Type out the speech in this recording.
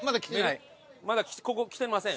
まだここ来てません？